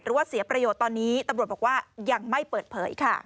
ว่าเสียประโยชน์ตอนนี้ตำรวจบอกว่ายังไม่เปิดเผยค่ะ